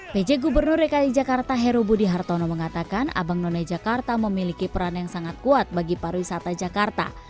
pj gubernur dki jakarta heru budi hartono mengatakan abang none jakarta memiliki peran yang sangat kuat bagi pariwisata jakarta